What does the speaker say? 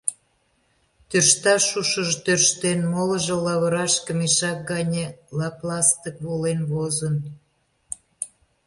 Тӧршташ шушыжо тӧрштен, молыжо лавырашке мешак гане лап-ластык волен возын.